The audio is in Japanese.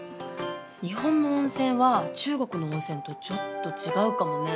日本の温泉は中国の温泉とちょっと違うかもね。